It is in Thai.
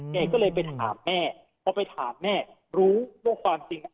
แกก็เลยไปถามแม่พอไปถามแม่รู้ว่าความจริง